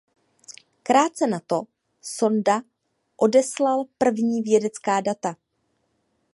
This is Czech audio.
Krátce na to sonda odeslal první vědecká data.